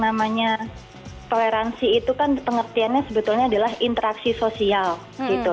namanya toleransi itu kan pengertiannya sebetulnya adalah interaksi sosial gitu